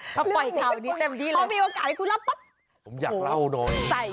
เค้าไปกล่าวนี้เต็มดีเลยเค้ามีโอกาสให้คุณรับปั๊บโอ้โหใส่ยับเลย